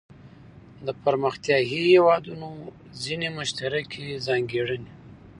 د پرمختیايي هیوادونو ځینې مشترکې ځانګړنې.